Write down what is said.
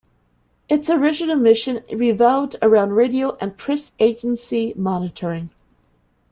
Its original mission revolved around radio and press agency monitoring.